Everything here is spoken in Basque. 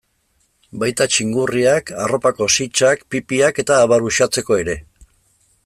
Baita txingurriak, arropako sitsak, pipiak eta abar uxatzeko ere.